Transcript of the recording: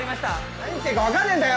何言ってっか分かんねえんだよ